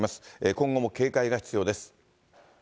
今後も警戒が必要です。